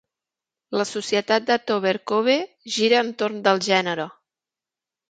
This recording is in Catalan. La societat de Tober Cove gira entorn del gènere.